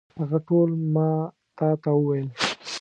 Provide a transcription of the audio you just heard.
هغه ټول ما تا ته وویل.